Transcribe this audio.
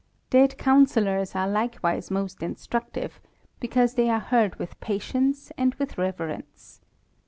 Dead COUnscllors are l ikewise most instructive ; because they are heard wiL^ patience and with reverence.